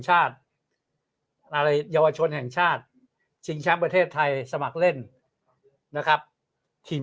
ชาติอะไรเยาวชนแห่งชาติชิงแชมป์ประเทศไทยสมัครเล่นนะครับชิง